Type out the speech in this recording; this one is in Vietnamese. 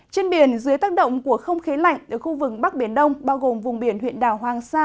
trên biển dưới tác động của không khí lạnh ở khu vực bắc biển đông bao gồm vùng biển huyện đảo hoàng sa